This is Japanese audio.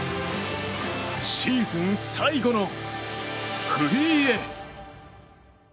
シーズン最後のフリーへ。